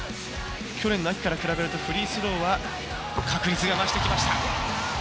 去年の秋から比べるとフリースローは確率が増してきました。